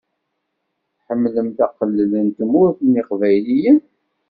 Tḥemmlemt aqellal n Tmurt n yeqbayliyen?